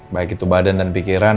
baik itu badan dan pikiran